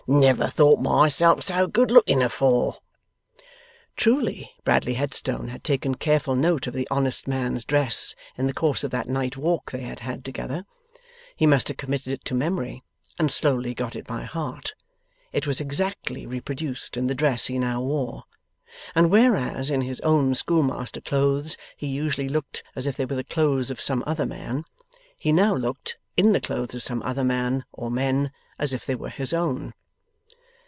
Never thought myself so good looking afore!' Truly, Bradley Headstone had taken careful note of the honest man's dress in the course of that night walk they had had together. He must have committed it to memory, and slowly got it by heart. It was exactly reproduced in the dress he now wore. And whereas, in his own schoolmaster clothes, he usually looked as if they were the clothes of some other man, he now looked, in the clothes of some other man or men, as if they were his own.